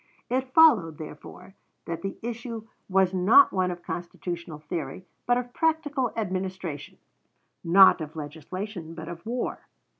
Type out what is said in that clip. It followed, therefore, that the issue was not one of constitutional theory, but of practical administration; not of legislation, but of war.